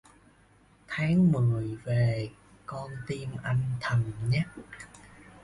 Tháng mười về con tim anh thầm nhắc